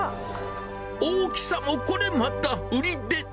大きさもこれまた売りで。